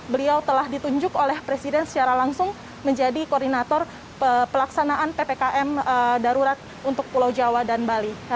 beliau telah ditunjuk oleh presiden secara langsung menjadi koordinator pelaksanaan ppkm darurat untuk pulau jawa dan bali